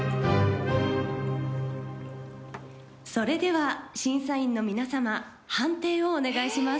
それでは審査員の皆さま判定をお願いします。